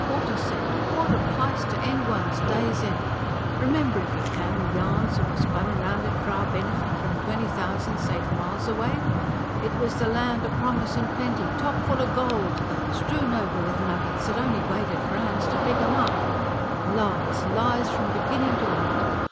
What a set! What a place to end one's days in! Remember, if you can, the yarns that were spun round it for our benefit, from twenty thousand safe miles away. It was the Land o' Promise and Plenty, topful o' gold, strewn over with nuggets that only waited for hands to pick 'em up. Lies! lies from beginnin' to end!